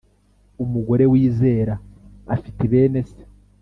umugore wizera afite bene se